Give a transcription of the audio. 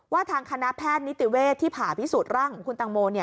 ทางคณะแพทย์นิติเวศที่ผ่าพิสูจน์ร่างของคุณตังโม